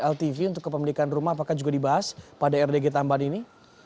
ltv untuk kepemilikan rumah apakah juga dibahas pada rdg tambahan ini